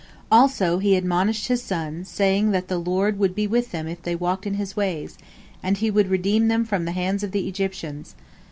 Also he admonished his sons, saying that the Lord would be with them if they walked in His ways, and He would redeem them from the hands of the Egyptians.